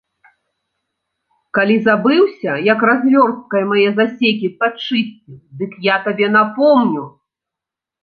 Калі забыўся, як развёрсткай мае засекі падчысціў, дык я табе напомню.